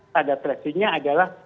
pada presidennya adalah